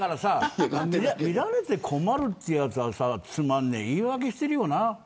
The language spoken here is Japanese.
見られて困るやつはつまんない言い訳してるよな。